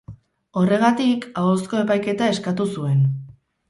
Horregatik, ahozko epaiketa eskatu zuen.